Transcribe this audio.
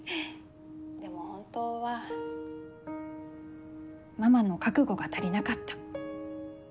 でも本当はママの覚悟が足りなかった。